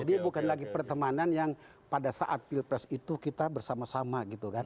jadi bukan lagi pertemanan yang pada saat pilpres itu kita bersama sama gitu kan